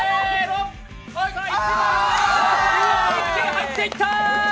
入っていった！